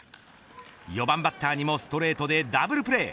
４番バッターにもストレートでダブルプレー。